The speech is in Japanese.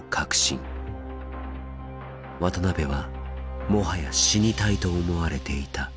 渡辺はもはや死に体と思われていた。